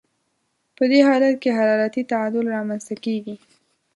په دې حالت کې حرارتي تعادل رامنځته کیږي.